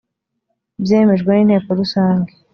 byemejwe n inteko rusange